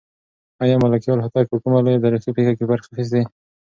آیا ملکیار هوتک په کومه لویه تاریخي پېښه کې برخه اخیستې؟